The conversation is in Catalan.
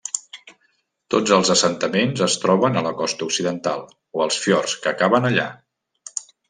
Tots els assentaments es troben a la costa occidental, o als fiords que acaben allà.